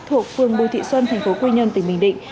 thuộc phường bùi thị xuân tp quy nhơn tỉnh bình định